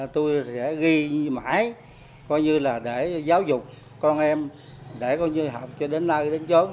tôi sẽ ghi mãi coi như là để giáo dục con em để coi như học cho đến nơi đến chỗ